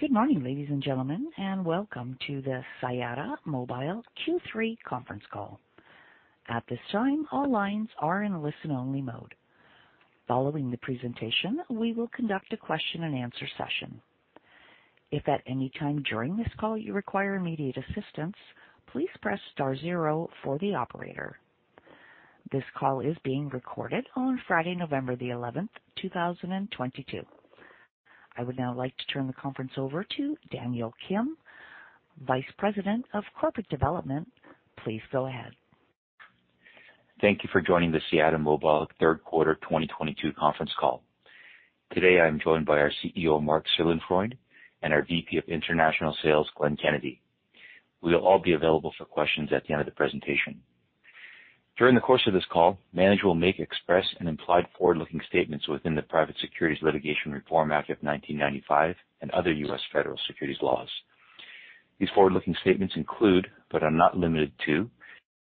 Good morning, ladies and gentlemen, and welcome to the Siyata Mobile Q3 conference call. At this time, all lines are in Listen-Only mode. Following the presentation, we will conduct a question and answer session. If at any time during this call you require immediate assistance, please press star zero for the operator. This call is being recorded on Friday, November 11, 2022. I would now like to turn the conference over to Daniel Kim, Vice President of Corporate Development. Please go ahead. Thank you for joining the Siyata Mobile third 1/4 2022 conference call. Today I am joined by our CEO, Marc Seelenfreund, and our VP of International Sales, Glenn Kennedy. We will all be available for questions at the end of the presentation. During the course of this call, management will make express and implied Forward-Looking statements within the Private Securities Litigation Reform Act of 1995 and other U.S. federal securities laws. These Forward-Looking statements include, but are not limited to,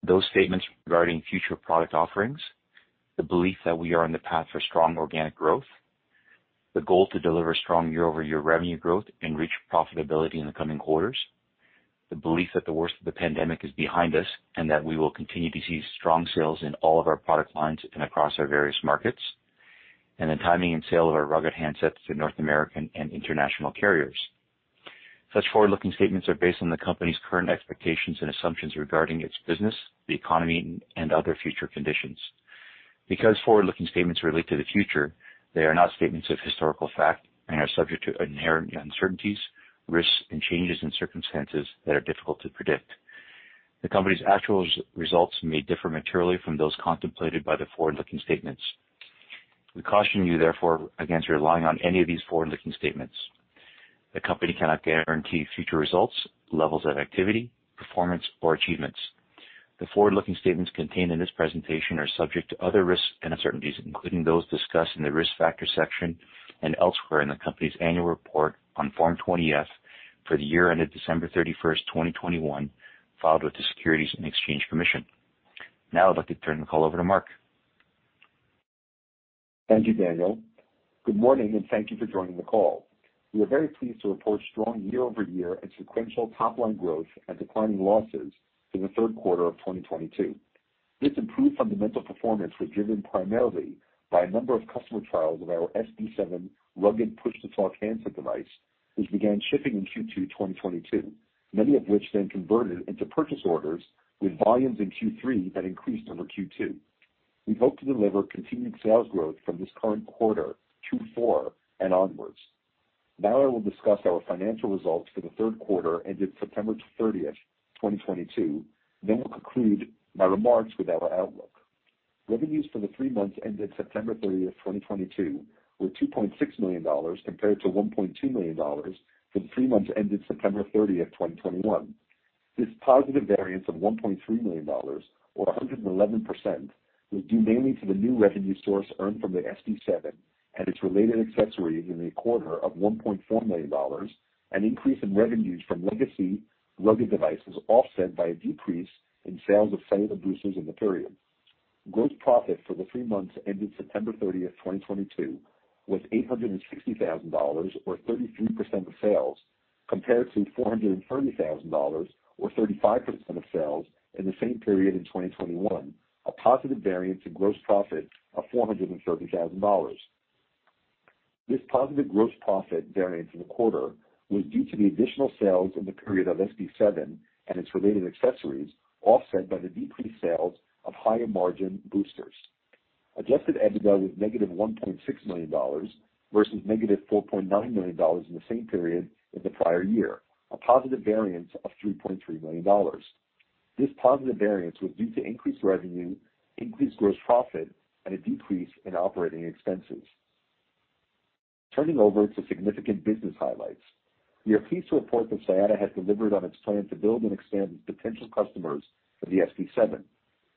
those statements regarding future product offerings, the belief that we are on the path for strong organic growth, the goal to deliver strong Year-Over-Year revenue growth and reach profitability in the coming quarters. The belief that the worst of the pandemic is behind us, and that we will continue to see strong sales in all of our product lines and across our various markets, and the timing and sale of our rugged handsets to North American and international carriers. Such Forward-Looking statements are based on the company's current expectations and assumptions regarding its business, the economy, and other future conditions. Because Forward-Looking statements relate to the future, they are not statements of historical fact and are subject to inherent uncertainties, risks, and changes in circumstances that are difficult to predict. The company's actual results may differ materially from those contemplated by the Forward-Looking statements. We caution you therefore against relying on any of these Forward-Looking statements. The company cannot guarantee future results, levels of activity, performance or achievements. The Forward-Looking statements contained in this presentation are subject to other risks and uncertainties, including those discussed in the Risk Factors section and elsewhere in the company's annual report on Form 20-F for the year ended December 31, 2021, filed with the Securities and Exchange Commission. Now I'd like to turn the call over to Marc. Thank you, Daniel. Good morning, and thank you for joining the call. We are very pleased to report strong Year-Over-Year and sequential Top-Line growth and declining losses in the third 1/4 of 2022. This improved fundamental performance was driven primarily by a number of customer trials of our SD7 rugged push-to-talk handset device, which began shipping in Q2 2022, many of which then converted into purchase orders with volumes in Q3 that increased over Q2. We hope to deliver continued sales growth from this current 1/4 Q4 and onwards. Now I will discuss our financial results for the third 1/4 ended September 30, 2022, then we'll conclude my remarks with our outlook. Revenues for the 3 months ended September 30, 2022 were $2.6 million compared to $1.2 million for the 3 months ended September 30, 2021. This positive variance of $1.3 million or 111% was due mainly to the new revenue source earned from the SD7 and its related accessories in the 1/4 of $1.4 million, an increase in revenues from legacy rugged devices, offset by a decrease in sales of cellular boosters in the period. Gross profit for the 3 months ended September 30, 2022 was $860,000, or 33% of sales, compared to $430,000 or 35% of sales in the same period in 2021, a positive variance in gross profit of $430,000. This positive gross profit variance in the 1/4 was due to the additional sales in the period of SD7 and its related accessories, offset by the decreased sales of higher margin boosters. Adjusted EBITDA was negative $1.6 million versus negative $4.9 million in the same period in the prior year, a positive variance of $3.3 million. This positive variance was due to increased revenue, increased gross profit, and a decrease in operating expenses. Turning to significant business highlights. We are pleased to report that Siyata has delivered on its plan to build and expand potential customers for the SD7.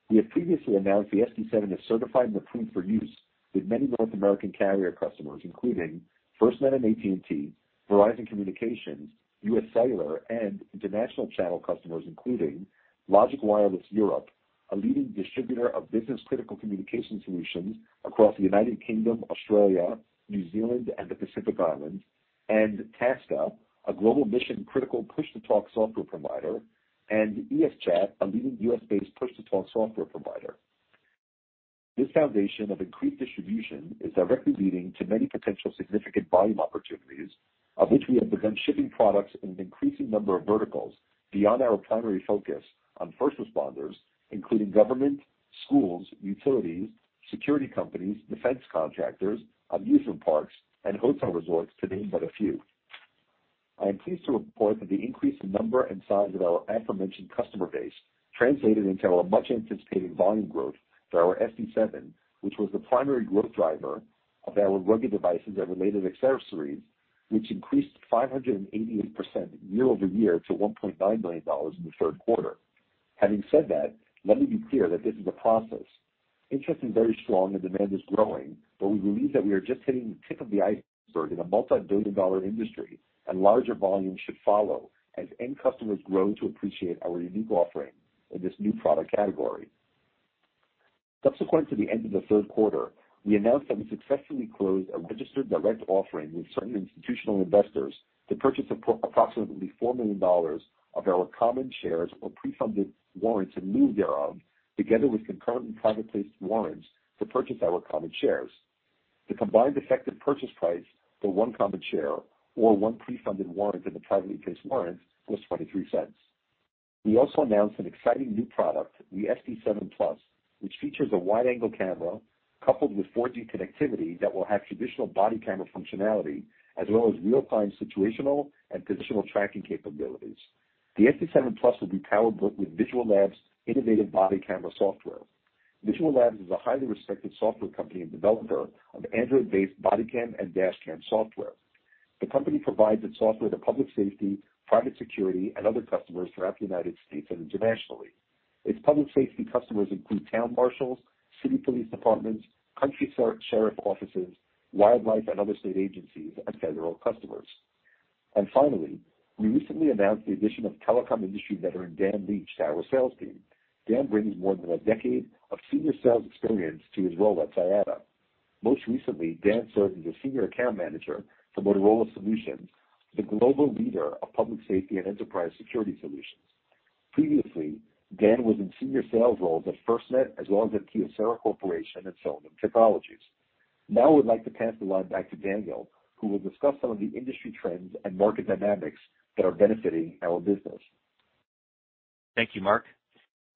We have previously announced the SD7 is certified and approved for use with many North American carrier customers, including FirstNet and AT&T, Verizon Communications, UScellular and international channel customers including Logic Wireless Europe, a leading distributor of business-critical communication solutions across the United Kingdom, Australia, New Zealand, and the Pacific Islands, and TASSTA, a global mission-critical push-to-talk software provider, and ESChat, a leading US-based Push-To-Talk software provider. This foundation of increased distribution is directly leading to many potential significant volume opportunities, of which we have begun shipping products in an increasing number of verticals beyond our primary focus on first responders, including government, schools, utilities, security companies, defense contractors, amusement parks, and hotel resorts to name but a few. I am pleased to report that the increase in number and size of our aforementioned customer base translated into a much-anticipated volume growth for our SD7, which was the primary growth driver of our rugged devices and related accessories, which increased 588% Year-Over-Year to $1.9 million in the third 1/4. Having said that, let me be clear that this is a process. Interest is very strong and demand is growing, but we believe that we are just hitting the tip of the iceberg in a multibillion-dollar industry, and larger volumes should follow as end customers grow to appreciate our unique offering in this new product category. Subsequent to the end of the third 1/4, we announced that we successfully closed a registered direct offering with certain institutional investors to purchase approximately $4 million of our common shares or pre-funded warrants in lieu thereof, together with concurrent and privately placed warrants to purchase our common shares. The combined effective purchase price for one common share or one pre-funded warrant in the privately placed warrants was $0.23. We also announced an exciting new product, the SD-Seven Plus, which features a wide-angle camera coupled with 4G connectivity that will have traditional body camera functionality as well as real-time situational and positional tracking capabilities. The SD-Seven Plus will be powered with Visual Labs innovative body camera software. Visual Labs is a highly respected software company and developer of Android-Based body cam and dashcam software. The company provides its software to public safety, private security, and other customers throughout the United States and internationally. Its public safety customers include town marshals, city police departments, county sheriff offices, wildlife and other state agencies, and federal customers. Finally, we recently announced the addition of telecom industry veteran Dan Leach to our sales team. Dan brings more than a decade of senior sales experience to his role at Siyata. Most recently, Dan served as a senior account manager for Motorola Solutions, the global leader of public safety and enterprise security solutions. Previously, Dan was in senior sales roles at FirstNet as well as at Kyocera Corporation and Cellebrite Now I would like to pass the line back to Daniel, who will discuss some of the industry trends and market dynamics that are benefiting our business. Thank you, Marc.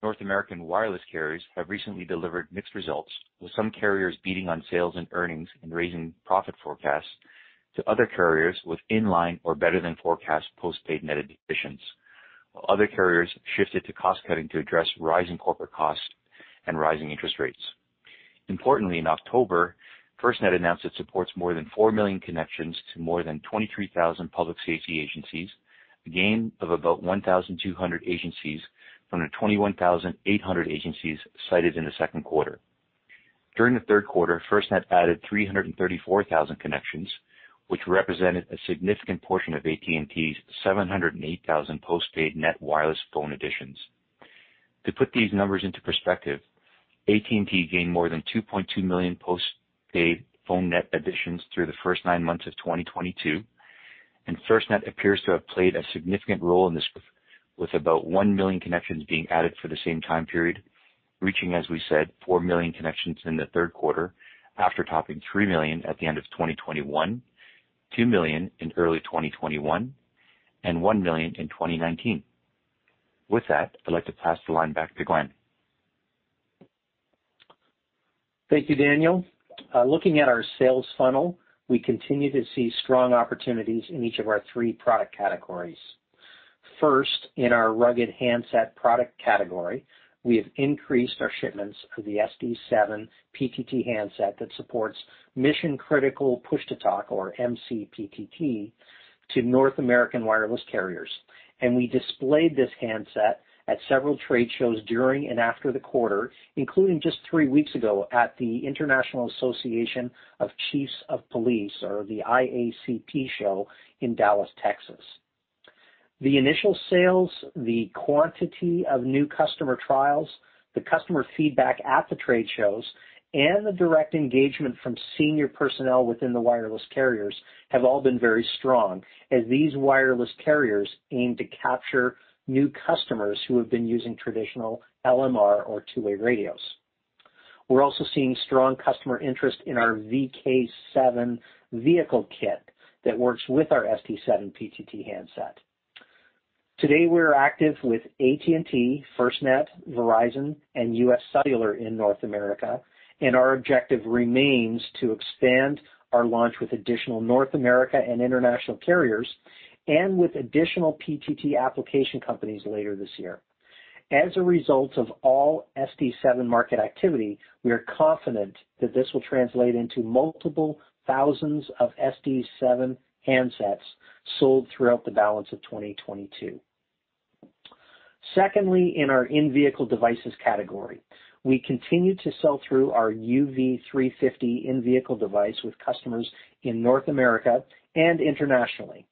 North American wireless carriers have recently delivered mixed results, with some carriers beating on sales and earnings and raising profit forecasts to other carriers with in-line or better-than-forecast postpaid net additions. While other carriers shifted to cost-cutting to address rising corporate costs and rising interest rates. Importantly, in October, FirstNet announced it supports more than 4 million connections to more than 23,000 public safety agencies, a gain of about 1,200 agencies from the 21,800 agencies cited in the second 1/4. During the third 1/4, FirstNet added 334,000 connections, which represented a significant portion of AT&T's 708,000 postpaid net wireless phone additions. To put these numbers into perspective, AT&T gained more than 2.2 million postpaid phone net additions through the first nine months of 2022, and FirstNet appears to have played a significant role in this with about 1 million connections being added for the same time period, reaching, as we said, 4 million connections in the third 1/4 after topping 3 million at the end of 2021, 2 million in early 2021, and 1 million in 2019. With that, I'd like to pass the line back to Glenn. Thank you, Daniel. Looking at our sales funnel, we continue to see strong opportunities in each of our 3 product categories. First, in our rugged handset product category, we have increased our shipments of the SD7 PTT handset that supports mission-critical push-to-talk, or MCPTT, to North American wireless carriers. We displayed this handset at several trade shows during and after the 1/4, including just 3 weeks ago at the International Association of Chiefs of Police or the IACP show in Dallas, Texas. The initial sales, the quantity of new customer trials, the customer feedback at the trade shows, and the direct engagement from senior personnel within the wireless carriers have all been very strong as these wireless carriers aim to capture new customers who have been using traditional LMR or two-way radios. We're also seeing strong customer interest in our VK7 vehicle kit that works with our SD7 PTT handset. Today, we're active with AT&T, FirstNet, Verizon, and UScellular in North America, and our objective remains to expand our launch with additional North America and international carriers and with additional PTT application companies later this year. As a result of all SD7 market activity, we are confident that this will translate into multiple thousands of SD7 handsets sold throughout the balance of 2022. Secondly, in our in-vehicle devices category, we continue to sell through our UV350 in-vehicle device with customers in North America and internationally.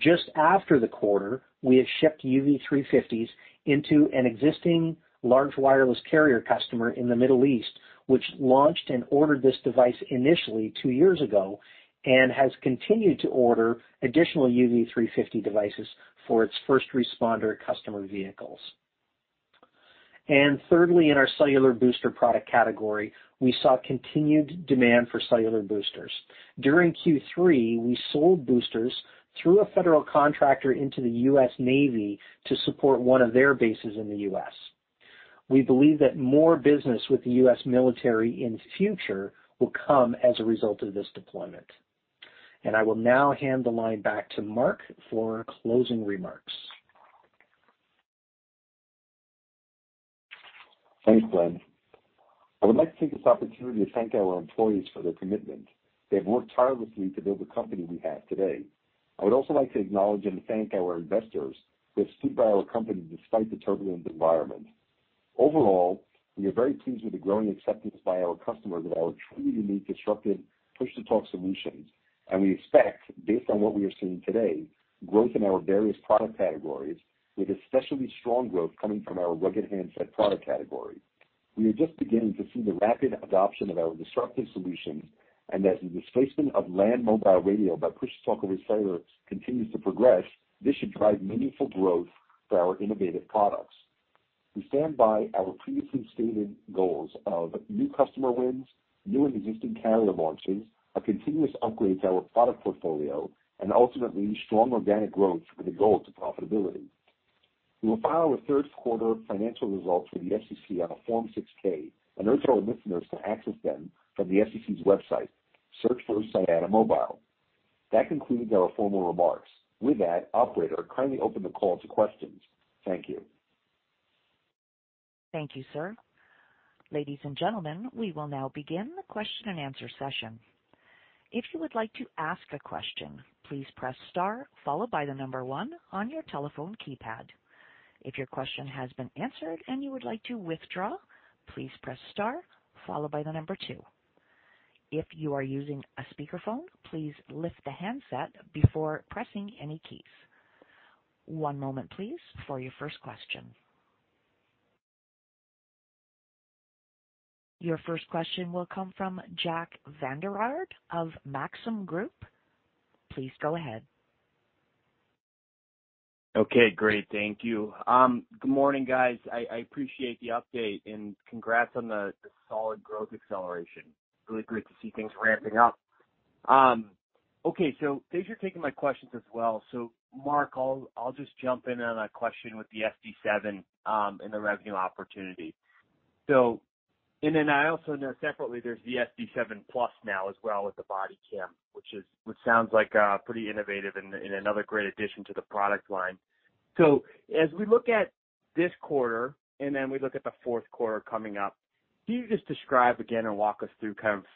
Just after the 1/4, we have shipped UV350s into an existing large wireless carrier customer in the Middle East, which launched and ordered this device initially two years ago and has continued to order additional UV350 devices for its first responder customer vehicles. Thirdly, in our cellular booster product category, we saw continued demand for cellular boosters. During Q3, we sold boosters through a federal contractor into the U.S. Navy to support one of their bases in the U.S. We believe that more business with the U.S. military in the future will come as a result of this deployment. I will now hand the line back to Marc for closing remarks. Thanks, Glenn. I would like to take this opportunity to thank our employees for their commitment. They have worked tirelessly to build the company we have today. I would also like to acknowledge and thank our investors who have stood by our company despite the turbulent environment. Overall, we are very pleased with the growing acceptance by our customers of our truly unique, disruptive push-to-talk solutions. We expect, based on what we are seeing today, growth in our various product categories, with especially strong growth coming from our rugged handset product category. We are just beginning to see the rapid adoption of our disruptive solutions and that the displacement of Land Mobile Radio by Push-to-Talk over Cellular continues to progress. This should drive meaningful growth for our innovative products. We stand by our previously stated goals of new customer wins, new and existing carrier launches, a continuous upgrade to our product portfolio, and ultimately strong organic growth with a goal to profitability. We will file our third 1/4 financial results with the SEC on a Form 6-K and urge our listeners to access them from the SEC's website. Search for Siyata Mobile. That concludes our formal remarks. With that, operator, kindly open the call to questions. Thank you. Thank you, sir. Ladies and gentlemen, we will now begin the question-and-answer session. If you would like to ask a question, please press star followed by the number one on your telephone keypad. If your question has been answered and you would like to withdraw, please press star followed by the number two. If you are using a speakerphone, please lift the handset before pressing any keys. One moment please for your first question. Your first question will come from Jack Vander Aarde of Maxim Group. Please go ahead. Okay, great. Thank you. Good morning, guys. I appreciate the update and congrats on the solid growth acceleration. Really great to see things ramping up. Okay, thanks for taking my questions as well. Marc, I'll just jump in on a question with the SD7 and the revenue opportunity. And then I also know separately there's the SD7 Plus now as well with the body cam, which sounds like pretty innovative and another great addition to the product line. As we look at this 1/4, and then we look at the fourth 1/4 coming up, can you just describe again and walk us through kind of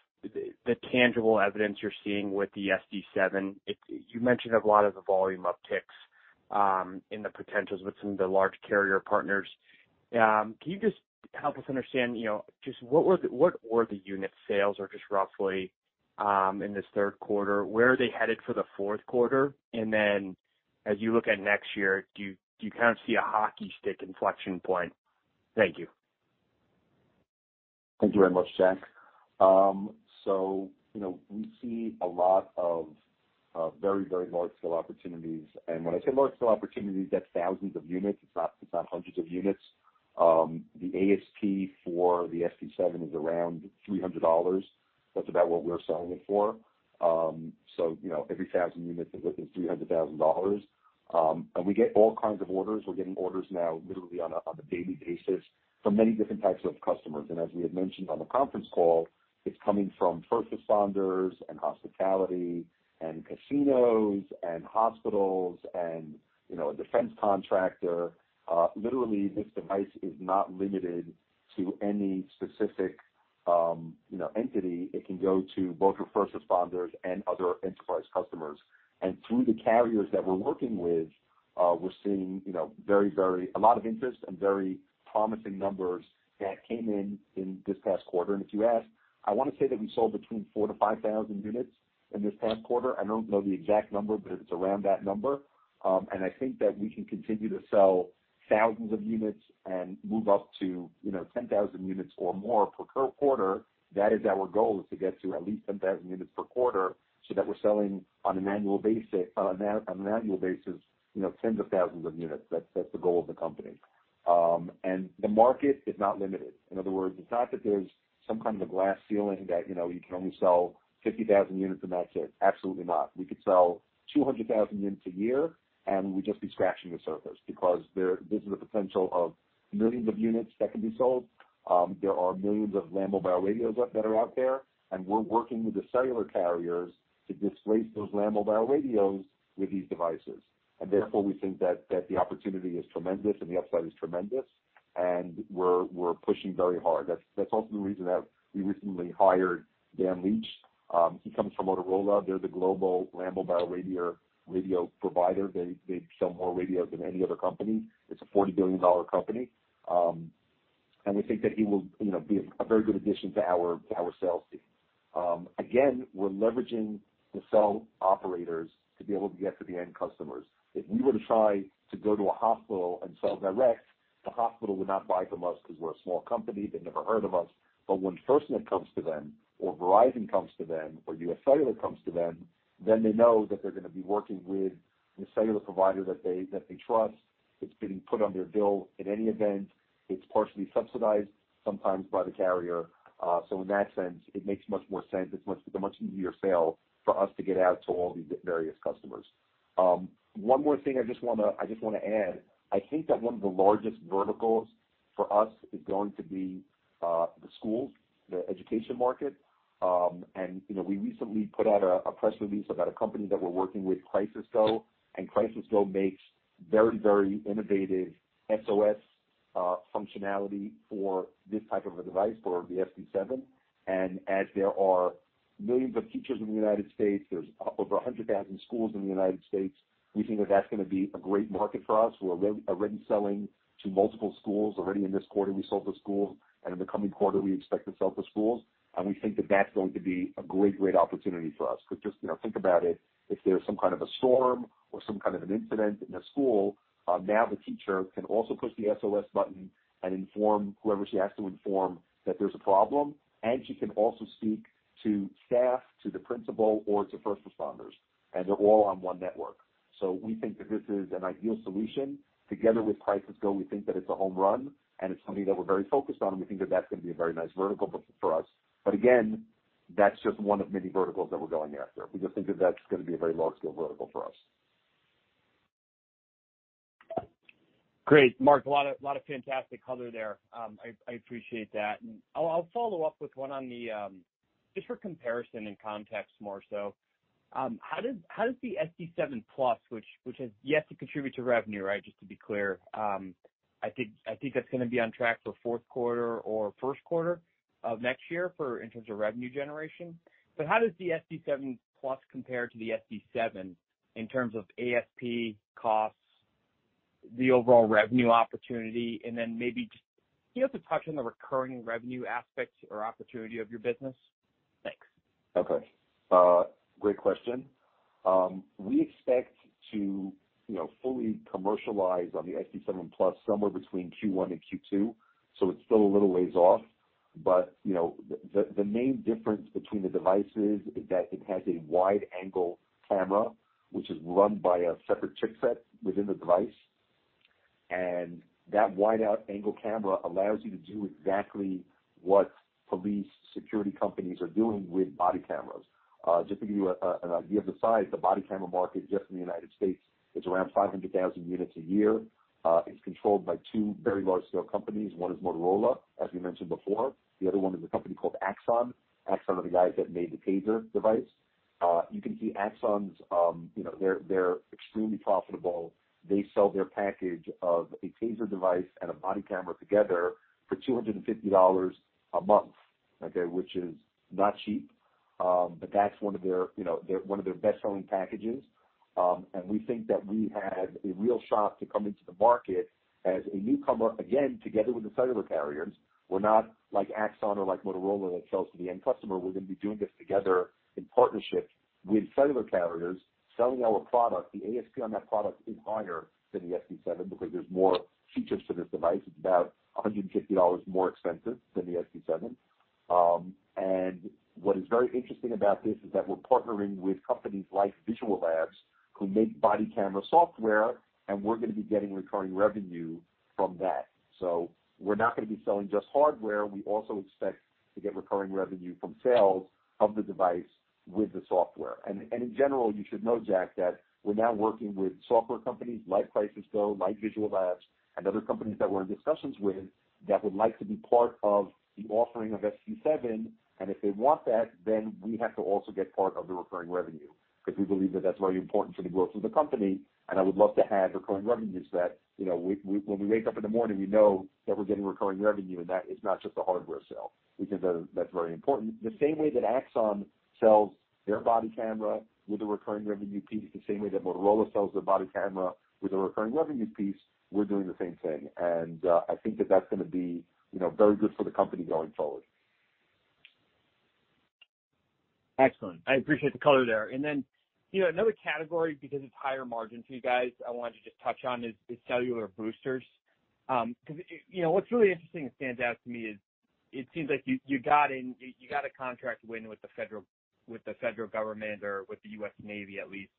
the tangible evidence you're seeing with the SD7? You mentioned a lot of the volume upticks in the potentials with some of the large carrier partners. Can you just help us understand, you know, just what were the unit sales or just roughly in this third 1/4, where are they headed for the fourth 1/4? Then as you look at next year, do you kind of see a hockey stick inflection point? Thank you. Thank you very much, Jack. You know, we see a lot of very large scale opportunities. When I say large scale opportunities, that's thousands of units. It's not hundreds of units. The ASP for the SD7 is around $300. That's about what we're selling it for. You know, every 1,000 units is within $300,000. We get all kinds of orders. We're getting orders now literally on a daily basis from many different types of customers. As we had mentioned on the conference call, it's coming from first responders and hospitality and casinos and hospitals and, you know, a defense contractor. Literally, this device is not limited to any specific, you know, entity. It can go to both your first responders and other enterprise customers. Through the carriers that we're working with, we're seeing, you know, very a lot of interest and very promising numbers that came in in this past 1/4. If you ask, I wanna say that we sold between 4,000-5,000 units in this past 1/4. I don't know the exact number, but it's around that number. I think that we can continue to sell thousands of units and move up to, you know, 10,000 units or more per 1/4. That is our goal, is to get to at least 10,000 units per 1/4, so that we're selling on an annual basis, you know, tens of thousands of units. That's the goal of the company. The market is not limited. In other words, it's not that there's some kind of a glass ceiling that, you know, you can only sell 50,000 units and that's it. Absolutely not. We could sell 200,000 units a year, and we'd just be scratching the surface because this is the potential of millions of units that can be sold. There are millions of land mobile radios that are out there, and we're working with the cellular carriers to displace those land mobile radios with these devices. Therefore, we think that the opportunity is tremendous and the upside is tremendous, and we're pushing very hard. That's also the reason that we recently hired Dan Leach. He comes from Motorola. They're the global land mobile radio provider. They sell more radios than any other company. It's a $40 billion company. We think that he will, you know, be a very good addition to our sales team. We're leveraging the cell operators to be able to get to the end customers. If we were to try to go to a hospital and sell direct, the hospital would not buy from us because we're a small company. They've never heard of us. But when FirstNet comes to them or Verizon comes to them or UScellular comes to them, then they know that they're gonna be working with the cellular provider that they trust. It's being put on their bill. In any event, it's partially subsidized sometimes by the carrier. So in that sense, it makes much more sense. It's a much easier sale for us to get out to all these various customers. One more thing I just wanna add. I think that one of the largest verticals for us is going to be the schools, the education market. You know, we recently put out a press release about a company that we're working with, CrisisGo. CrisisGo makes very, very innovative SOS functionality for this type of a device for the SD7. As there are millions of teachers in the United States, there's over 100,000 schools in the United States. We think that that's gonna be a great market for us. We're already selling to multiple schools. Already in this 1/4, we sold to schools, and in the coming 1/4, we expect to sell to schools. We think that that's going to be a great opportunity for us. Because just, you know, think about it. If there's some kind of a storm or some kind of an incident in a school, now the teacher can also push the SOS button and inform whoever she has to inform that there's a problem, and she can also speak to staff, to the principal or to first responders, and they're all on one network. We think that this is an ideal solution. Together with CrisisGo, we think that it's a home run, and it's something that we're very focused on, and we think that that's gonna be a very nice vertical for us. Again, that's just one of many verticals that we're going after. We just think that that's gonna be a very Large-Scale vertical for us. Great. Marc, a lot of fantastic color there. I appreciate that. I'll follow up with one just for comparison and context more so. How does the SD7 Plus, which has yet to contribute to revenue, right, just to be clear. I think that's gonna be on track for fourth 1/4 or first 1/4 of next year in terms of revenue generation. How does the SD7 Plus compare to the SD7 in terms of ASP costs, the overall revenue opportunity, and then maybe just be able to touch on the recurring revenue aspect or opportunity of your business? Thanks. Okay. Great question. We expect to, you know, fully commercialize on the SD7 Plus somewhere between Q1 and Q2, so it's still a little ways off. You know, the main difference between the devices is that it has a wide-angle camera, which is run by a separate chipset within the device. And that wide-angle camera allows you to do exactly what police security companies are doing with body cameras. Just to give you an idea of the size, the body camera market just in the United States, it's around 500,000 units a year. It's controlled by two very large-scale companies. One is Motorola, as we mentioned before. The other one is a company called Axon. Axon are the guys that made the TASER device. You can see Axon's, you know, they're extremely profitable. They sell their package of a TASER device and a body camera together for $250 a month, okay, which is not cheap. That's one of their, you know, one of their best-selling packages. We think that we have a real shot to come into the market as a newcomer, again, together with the cellular carriers. We're not like Axon or like Motorola that sells to the end customer. We're gonna be doing this together in partnership with cellular carriers selling our product. The ASP on that product is higher than the SD7 because there's more features to this device. It's about $150 more expensive than the SD7. What is very interesting about this is that we're partnering with companies like Visual Labs, who make body camera software, and we're gonna be getting recurring revenue from that. We're not gonna be selling just hardware. We also expect to get recurring revenue from sales of the device with the software. In general, you should know, Jack, that we're now working with software companies like CrisisGo, like Visual Labs, and other companies that we're in discussions with that would like to be part of the offering of SD7. If they want that, then we have to also get part of the recurring revenue because we believe that that's very important for the growth of the company. I would love to have recurring revenues that, you know, when we wake up in the morning, we know that we're getting recurring revenue, and that is not just a hardware sale. We think that that's very important. The same way that Axon sells their body camera with a recurring revenue piece, the same way that Motorola sells their body camera with a recurring revenue piece, we're doing the same thing. I think that that's gonna be, you know, very good for the company going forward. Excellent. I appreciate the color there. Then, you know, another category because it's higher margin for you guys, I wanted to just touch on is cellular boosters. 'Cause you know, what's really interesting and stands out to me is it seems like you got a contract win with the federal government or with the US Navy at least.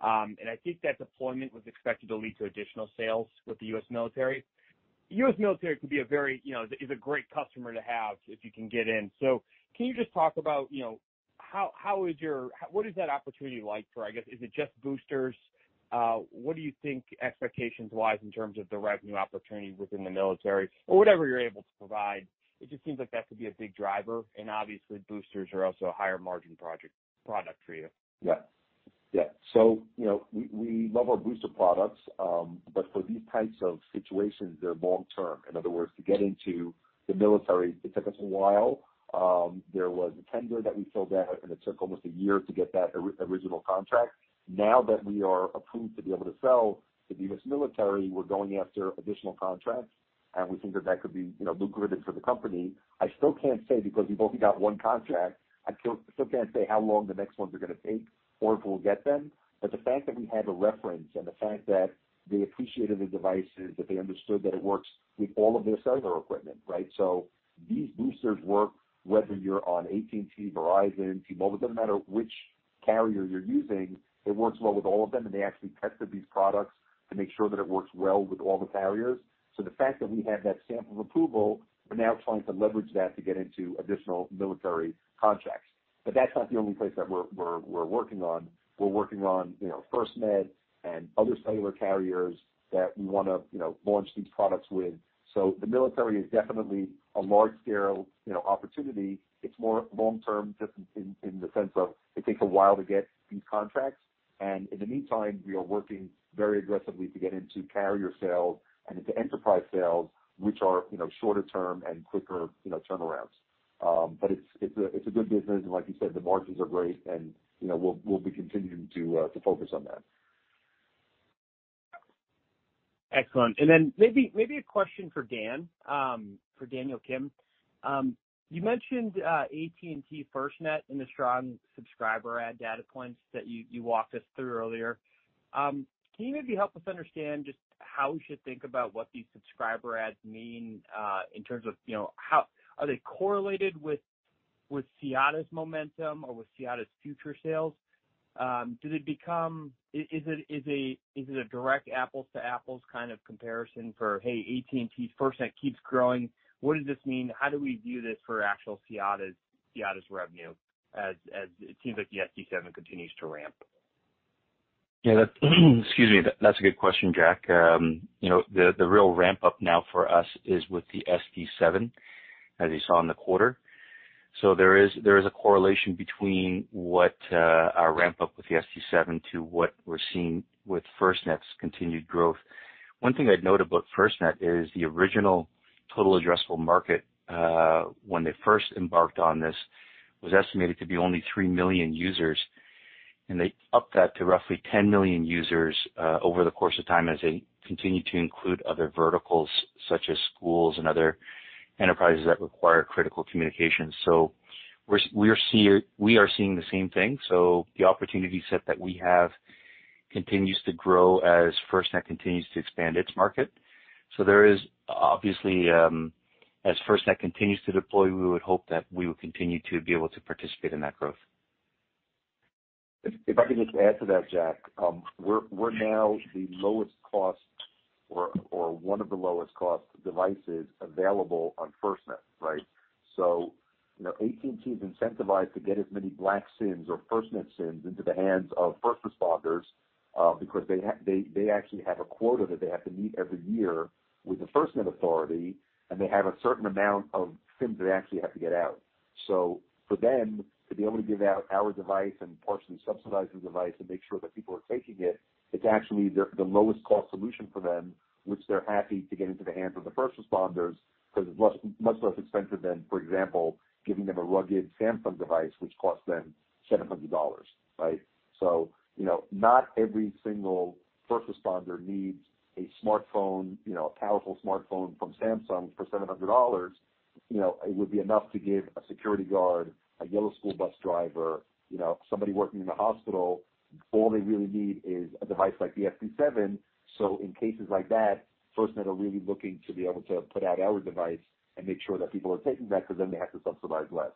I think that deployment was expected to lead to additional sales with the US military. US military can be a very, you know, is a great customer to have if you can get in. Can you just talk about, you know, how is your what is that opportunity like for, I guess, is it just boosters? What do you think Expectations-Wise in terms of the revenue opportunity within the military or whatever you're able to provide? It just seems like that could be a big driver, and obviously boosters are also a higher margin product for you. Yeah. You know, we love our booster products, but for these types of situations, they're long term. In other words, to get into the military, it took us a while. There was a tender that we filled out, and it took almost a year to get that original contract. Now that we are approved to be able to sell to the U.S. military, we're going after additional contracts, and we think that that could be, you know, lucrative for the company. I still can't say because we've only got one contract. I still can't say how long the next ones are gonna take or if we'll get them. The fact that we have a reference and the fact that they appreciated the devices, that they understood that it works with all of their cellular equipment, right? These boosters work whether you're on AT&T, Verizon, T-Mobile. It doesn't matter which carrier you're using, it works well with all of them, and they actually tested these products to make sure that it works well with all the carriers. The fact that we have that stamp of approval, we're now trying to leverage that to get into additional military contracts. That's not the only place that we're working on. We're working on, you know, FirstNet and other cellular carriers that we wanna, you know, launch these products with. The military is definitely a large scale, you know, opportunity. It's more long-term just in the sense of it takes a while to get these contracts, and in the meantime, we are working very aggressively to get into carrier sales and into enterprise sales, which are, you know, shorter term and quicker, you know, turnarounds. It's a good business, and like you said, the margins are great. You know, we'll be continuing to focus on that. Excellent. Maybe a question for Dan, for Daniel Kim. You mentioned AT&T FirstNet in the strong subscriber add data points that you walked us through earlier. Can you maybe help us understand just how we should think about what these subscriber adds mean in terms of, you know, are they correlated with Siyata's momentum or with Siyata's future sales? Is it a direct apples to apples kind of comparison for, hey, AT&T FirstNet keeps growing. What does this mean? How do we view this for actual Siyata's revenue as it seems like the SD7 continues to ramp? Yeah. That's excuse me. That's a good question, Jack. You know, the real ramp-up now for us is with the SD-Seven, as you saw in the 1/4. There is a correlation between our ramp-up with the SD-Seven to what we're seeing with FirstNet's continued growth. One thing I'd note about FirstNet is the original total addressable market, when they first embarked on this, was estimated to be only 3 million users, and they upped that to roughly 10 million users, over the course of time as they continued to include other verticals such as schools and other enterprises that require critical communication. We are seeing the same thing. The opportunity set that we have continues to grow as FirstNet continues to expand its market. There is obviously, as FirstNet continues to deploy, we would hope that we will continue to be able to participate in that growth. I could just add to that, Jack, we're now the lowest cost or one of the lowest cost devices available on FirstNet, right? So, you know, AT&T is incentivized to get as many blank SIMs or FirstNet SIMs into the hands of first responders, because they actually have a quota that they have to meet every year with the FirstNet Authority, and they have a certain amount of SIMs they actually have to get out. For them to be able to give out our device and partially subsidize the device and make sure that people are taking it's actually the lowest cost solution for them, which they're happy to get into the hands of the first responders because it's less, much less expensive than, for example, giving them a rugged Samsung device, which costs them $700, right? You know, not every single first responder needs a smartphone, you know, a powerful smartphone from Samsung for $700. You know, it would be enough to give a security guard, a yellow school bus driver, you know, somebody working in the hospital. All they really need is a device like the SD7. In cases like that, FirstNet are really looking to be able to put out our device and make sure that people are taking that because then they have to subsidize less.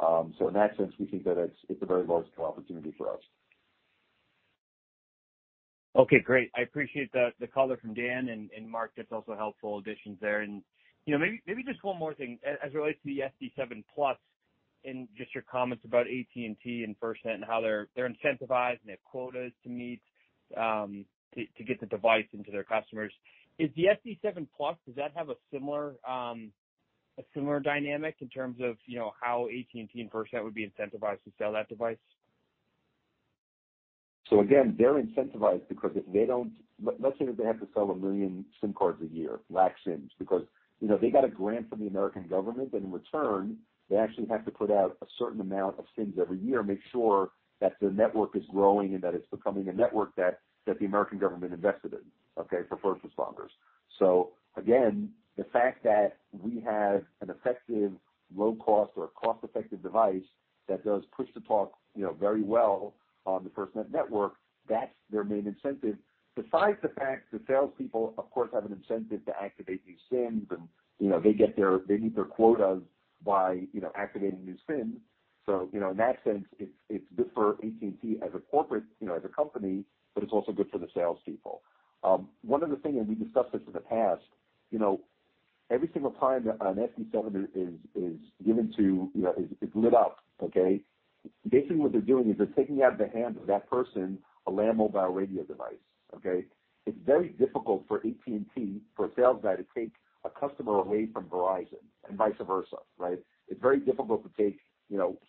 In that sense, we think that it's a very large opportunity for us. Okay, great. I appreciate the color from Dan and Mark. That's also helpful additions there. You know, maybe just one more thing as it relates to the SD-Seven plus and just your comments about AT&T and FirstNet and how they're incentivized and they have quotas to meet, to get the device into their customers. Is the SD-Seven plus, does that have a similar dynamic in terms of, you know, how AT&T and FirstNet would be incentivized to sell that device? Again, they're incentivized because if they don't, let's say that they have to sell 1 million SIM cards a year, blank SIMs, because, you know, they got a grant from the American government, and in return, they actually have to put out a certain amount of SIMs every year, make sure that the network is growing and that it's becoming a network that the American government invested in, okay, for first responders. Again, the fact that we have an effective low cost or a cost-effective device that does push-to-talk, you know, very well on the FirstNet network, that's their main incentive. Besides the fact the salespeople of course, have an incentive to activate new SIMs and, you know, they meet their quotas by, you know, activating new SIMs. You know, in that sense, it's good for AT&T as a corporation, as a company, but it's also good for the salespeople. One other thing, we discussed this in the past. You know, every single time that an SD-Seven is given to, is lit up. Okay, basically what they're doing is they're taking out of the hand of that person a land mobile radio device. Okay? It's very difficult for AT&T, for a sales guy to take a customer away from Verizon and vice versa, right? It's very difficult to take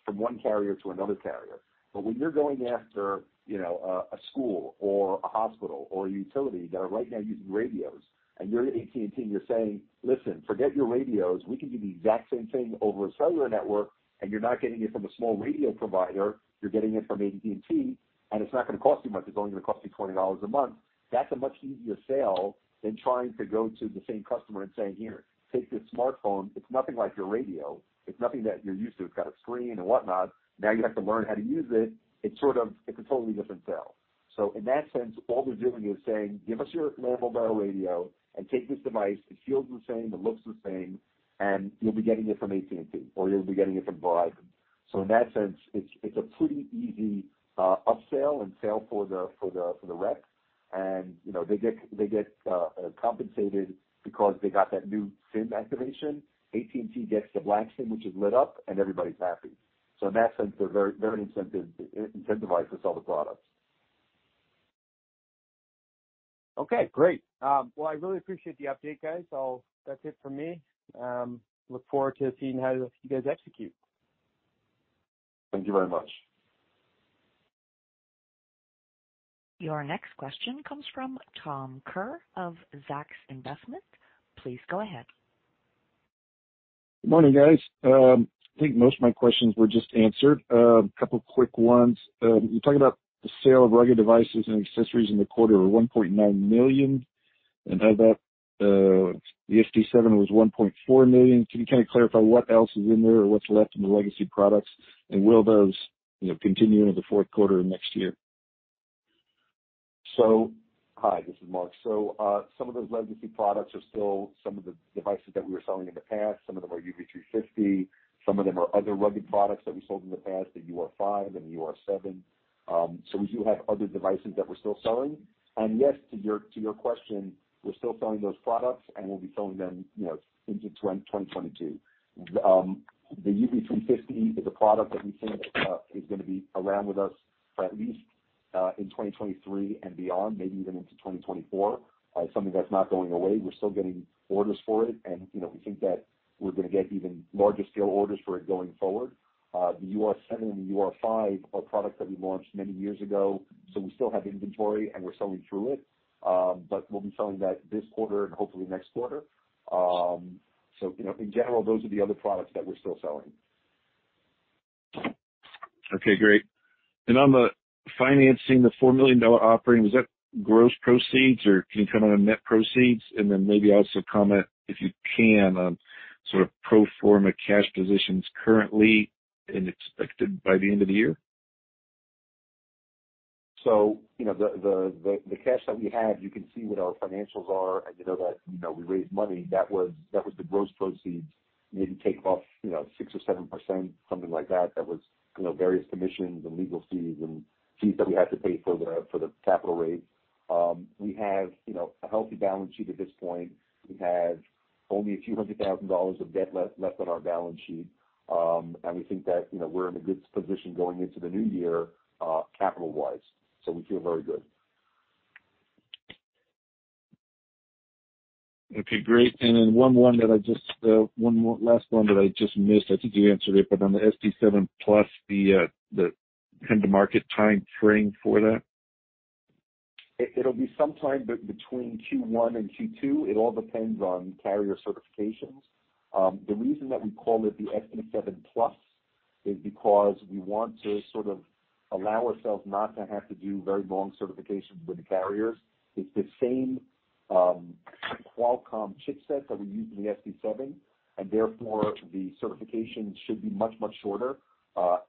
from one carrier to another carrier. When you're going after a school or a hospital or a utility that are right now using radios, and you're AT&T, and you're saying, "Listen, forget your radios. We can do the exact same thing over a cellular network, and you're not getting it from a small radio provider, you're getting it from AT&T, and it's not gonna cost you much. It's only gonna cost you $20 a month. That's a much easier sale than trying to go to the same customer and saying, "Here, take this smartphone. It's nothing like your radio. It's nothing that you're used to. It's got a screen and whatnot. Now you have to learn how to use it." It's sort of a totally different sale. In that sense, all they're doing is saying, "Give us your land mobile radio and take this device. It feels the same, it looks the same, and you'll be getting it from AT&T, or you'll be getting it from Verizon. In that sense, it's a pretty easy upsell and sale for the rep. You know, they get compensated because they got that new SIM activation. AT&T gets the blank SIM, which is lit up, and everybody's happy. In that sense, they're very incentivized to sell the products. Okay, great. Well, I really appreciate the update, guys. That's it for me. Look forward to seeing how you guys execute. Thank you very much. Your next question comes from Tom Kerr of Zacks Investment Research. Please go ahead. Morning, guys. I think most of my questions were just answered. A couple of quick ones. You talked about the sale of rugged devices and accessories in the 1/4 were $1.9 million, and of that, the SD7 was $1.4 million. Can you kinda clarify what else is in there or what's left in the legacy products? Will those, you know, continue into the fourth 1/4 of next year? Hi, this is Marc. Some of those legacy products are still some of the devices that we were selling in the past. Some of them are UV350, some of them are other rugged products that we sold in the past, the UR5 and the UR7. We do have other devices that we're still selling. Yes, to your question, we're still selling those products, and we'll be selling them, you know, into 2022. The UV350 is a product that we think is gonna be around with us for at least in 2023 and beyond, maybe even into 2024. Something that's not going away. We're still getting orders for it, and, you know, we think that we're gonna get even larger scale orders for it going forward. The UR7 and the UR5 are products that we launched many years ago, so we still have inventory and we're selling through it. We'll be selling that this 1/4 and hopefully next 1/4. You know, in general, those are the other products that we're still selling. Okay, great. On the financing, the $4 million offering, is that gross proceeds or can you comment on net proceeds? Maybe also comment, if you can, on sort of pro forma cash positions currently and expected by the end of the year. You know, the cash that we have, you can see what our financials are, and you know that, you know, we raised money. That was the gross proceeds. We had to take off, you know, 6% or 7%, something like that. That was, you know, various commissions and legal fees and fees that we had to pay for the capital raise. We have, you know, a healthy balance sheet at this point. We have only a few hundred thousand dollars of debt left on our balance sheet. We think that, you know, we're in a good position going into the new year, capital-wise, so we feel very good. Okay, great. One more, last one that I just missed. I think you answered it, but on the SD7 Plus, the time-to-market timeframe for that. It'll be sometime between Q1 and Q2. It all depends on carrier certifications. The reason that we call it the SD7 Plus is because we want to sort of allow ourselves not to have to do very long certifications with the carriers. It's the same Qualcomm chipset that we use in the SD7, and therefore, the certification should be much, much shorter.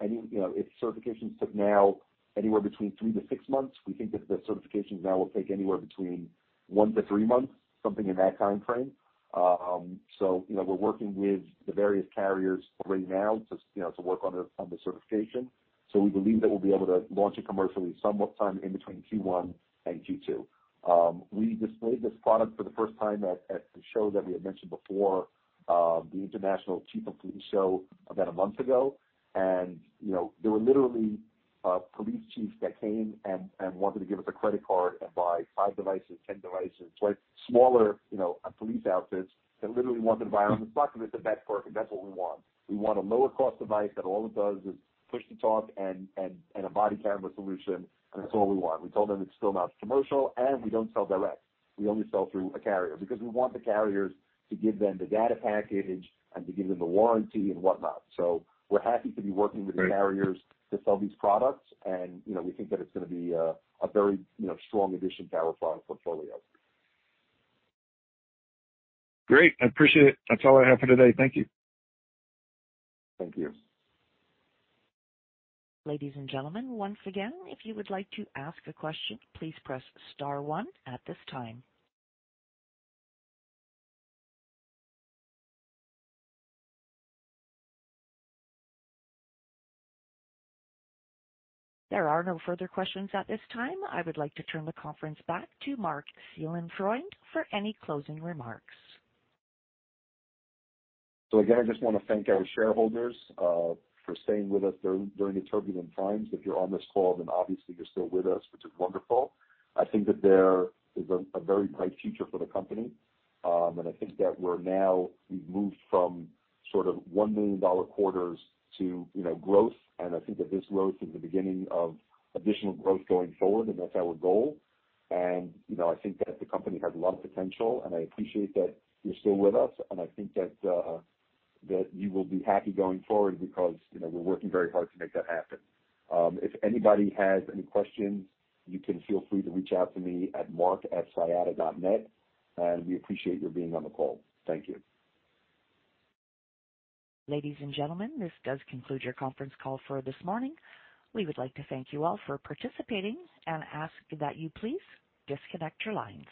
You know, if certifications took now anywhere between 3-6 months, we think that the certifications now will take anywhere between 1-3 months, something in that timeframe. You know, we're working with the various carriers right now to work on the certification. We believe that we'll be able to launch it commercially sometime in between Q1 and Q2. We displayed this product for the first time at the show that we had mentioned before, the International Association of Chiefs of Police show about a month ago. You know, there were literally police chiefs that came and wanted to give us a credit card and buy 5 devices, 10 devices, right? Smaller, you know, police outfits that literally wanted to buy it on the spot because it's a network, and that's what we want. We want a lower cost device that all it does is push-to-talk and a body camera solution, and that's all we want. We told them it's still not commercial, and we don't sell direct. We only sell through a carrier because we want the carriers to give them the data package and to give them the warranty and whatnot. We're happy to be working with the carriers. Right. -to sell these products. You know, we think that it's gonna be a very, you know, strong addition to our product portfolio. Great. I appreciate it. That's all I have for today. Thank you. Thank you. Ladies and gentlemen, once again, if you would like to ask a question, please press star one at this time. There are no further questions at this time. I would like to turn the conference back to Marc Seelenfreund for any closing remarks. Again, I just wanna thank our shareholders for staying with us during the turbulent times. If you're on this call, then obviously you're still with us, which is wonderful. I think that there is a very bright future for the company. I think that we've moved from sort of $1 million quarters to, you know, growth. I think that this growth is the beginning of additional growth going forward, and that's our goal. You know, I think that the company has a lot of potential, and I appreciate that you're still with us, and I think that you will be happy going forward because, you know, we're working very hard to make that happen. If anybody has any questions, you can feel free to reach out to me at marc@siyata.net. We appreciate your being on the call. Thank you. Ladies and gentlemen, this does conclude your conference call for this morning. We would like to thank you all for participating and ask that you please disconnect your lines.